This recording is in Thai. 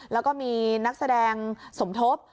แล้วก็มีนักแสดงสมทบ